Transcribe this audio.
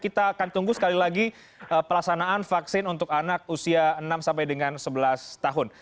kita akan tunggu sekali lagi pelaksanaan vaksin untuk anak usia enam sampai dengan sebelas tahun